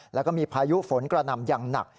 แล้วก็มีพายุฝนกระหน่ำอย่างหนัก